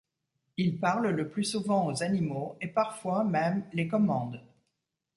Il parle le plus souvent aux animaux et parfois même, les commande.